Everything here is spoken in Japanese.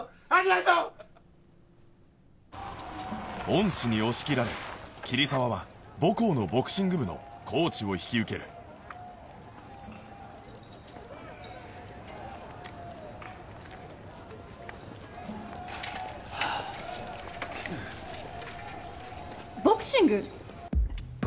恩師に押し切られ桐沢は母校のボクシング部のコーチを引き受けるボクシング？私がですか？